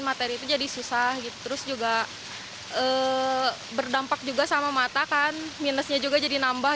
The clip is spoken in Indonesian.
materi itu jadi susah terus juga berdampak juga sama mata kan minusnya juga jadi nambah